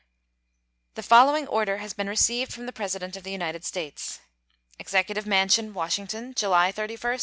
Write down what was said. The following order has been received from the President of the United States: EXECUTIVE MANSION, Washington, July 31, 1875.